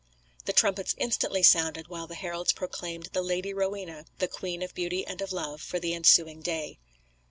The trumpets instantly sounded, while the heralds proclaimed the Lady Rowena the Queen of Beauty and of Love for the ensuing day.